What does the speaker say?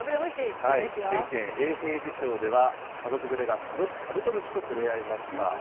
福井県永平寺町では、家族連れがカブトムシと触れ合いました。